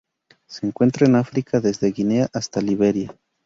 Se encuentran en África: desde Guinea hasta Liberia.